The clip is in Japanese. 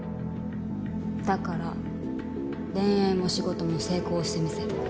だから恋愛も仕事も成功してみせる。